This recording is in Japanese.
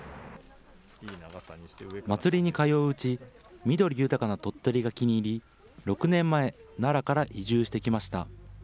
祭りに通ううち、緑豊かな鳥取が気に入り、６年前、奈良から移住してきました。